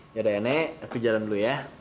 ya dayane aku jalan dulu ya